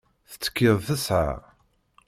Tettkid tesεa.